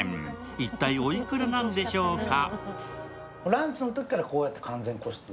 一体、おいくらなんでしょうか？